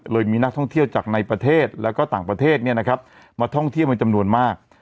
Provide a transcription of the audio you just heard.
มีนักท่องเที่ยวจากในประเทศและก็ต่างประเทศมาท่องเที่ยวเป็นจำนวนมาก